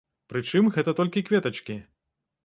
Прычым, гэта толькі кветачкі.